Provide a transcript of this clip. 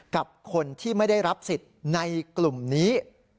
กับคนที่ไม่ได้รับสิทธิ์ในกลุ่มนี้